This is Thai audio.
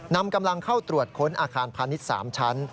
นำกำลังเข้าตรวจค้นอาคารพาณิชย์๓ชั้น